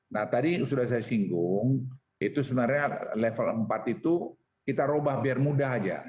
nah tadi sudah saya singgung itu sebenarnya level empat itu kita ubah biar mudah aja